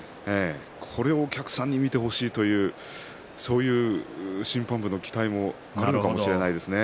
これをお客さんに見てほしいというそういう審判部の期待もあるのかもしれないですね。